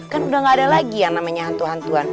kan udah gak ada lagi yang namanya hantu hantuan